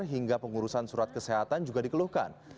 hingga pengurusan surat kesehatan juga dikeluhkan